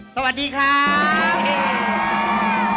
สวัสดีครับ